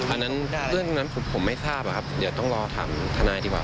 อันนั้นเรื่องนั้นผมไม่ทราบอะครับเดี๋ยวต้องรอถามทนายดีกว่า